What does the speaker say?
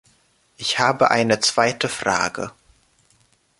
Ich habe eine zweite Frage.